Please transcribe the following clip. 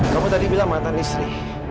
kamu tadi bilang mantan istri